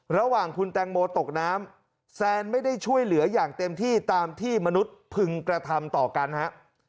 ระหว่างคุณแตงโมตกน้ำแซนไม่ได้ช่วยเหลืออย่างเต็มที่ตามที่มนุษย์พึงกระทำต่อกันฮะ